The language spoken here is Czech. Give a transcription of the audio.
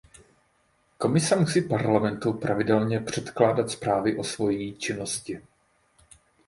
Komise musí parlamentu pravidelně předkládat zprávy o svojí činnosti.